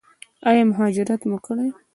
ایا مهاجرت مو کړی؟